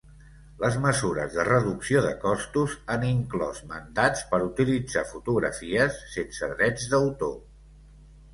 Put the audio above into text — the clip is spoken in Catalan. Les mesures de reducció de costos han inclòs mandats per utilitzar fotografies sense drets d'autor.